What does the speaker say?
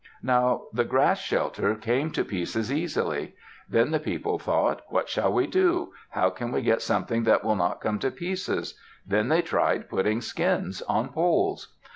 Now the grass shelter came to pieces easily. Then the people thought, "What shall we do? How can we get something that will not come to pieces?" Then they tried putting skins on poles.